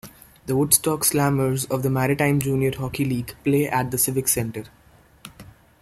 The Woodstock Slammers of the Maritime Junior Hockey League play at the Civic Centre.